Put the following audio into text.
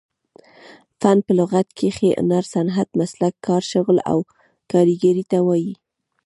فن په لغت کښي هنر، صنعت، مسلک، کار، شغل او کاریګرۍ ته وايي.